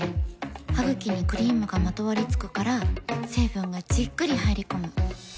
ハグキにクリームがまとわりつくから成分がじっくり入り込む。